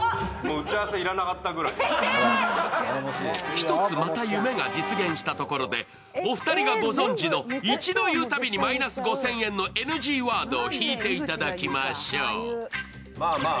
１つ、また夢が実現したところでお二人がご存じの一度言うたびにマイナス５０００円のＮＧワードを引いていただきましょう。